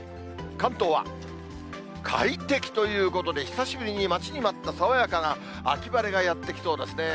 関東は快適ということで、久しぶりに待ちに待った爽やかな秋晴れがやって来そうですね。